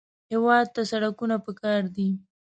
هېواد ته سړکونه پکار دي